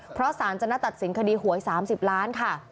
เพราะสารจะนัดตัดสินคดีหวย๓๐ล้านค่ะ